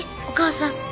お母さん。